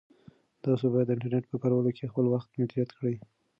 تاسو باید د انټرنیټ په کارولو کې خپل وخت مدیریت کړئ.